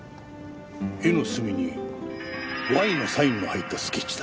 絵の隅に「Ｙ」のサインの入ったスケッチだ。